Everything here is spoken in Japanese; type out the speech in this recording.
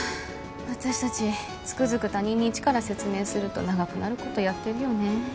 私達つくづく他人に一から説明すると長くなることやってるよね